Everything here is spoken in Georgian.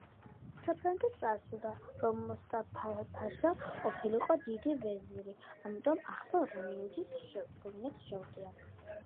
საფრანგეთს არ სურდა, რომ მუსტაფა-ფაშა ყოფილიყო დიდი ვეზირი, ამიტომ ახლა რუმინეთს შეუტია.